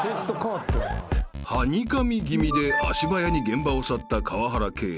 ［はにかみ気味で足早に現場を去った川原警部］